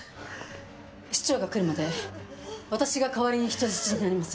市長が来るまで私が代わりに人質になります。